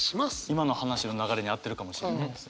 今の話の流れに合ってるかもしれないです。